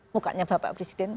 mukanya pak presiden